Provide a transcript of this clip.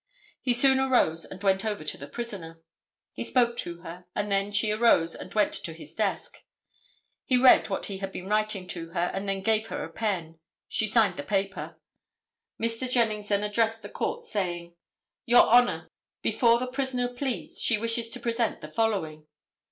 He soon arose and went over to the prisoner. He spoke to her, and then she arose and went to his desk. He read what he had been writing to her, and then gave her a pen. She signed the paper. Mr. Jennings then addressed the court saying: "Your Honor, before the prisoner pleads she wishes to present the following."